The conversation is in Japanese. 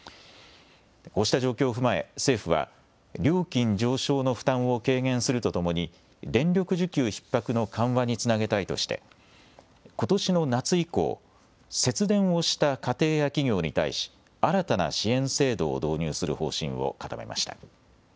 こうした状況を踏まえ、政府は料金上昇の負担を軽減するとともに、電力需給ひっ迫の緩和につなげたいとして、ことしの夏以降、節電をした家庭や企業に対し、新たな支援制度を導入する方針を固めました。